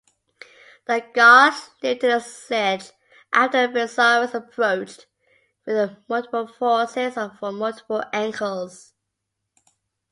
The Goths lifted the siege after Belisarius approached with multiple forces from multiple angles.